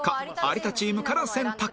有田チームから選択